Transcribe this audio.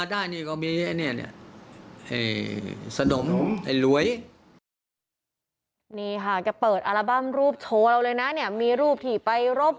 ได้นะสนุกหลวยนี่ค่ะเก็บโลวิเนี้ย